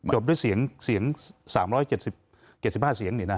จบด้วยเสียง๓๗๕เสียง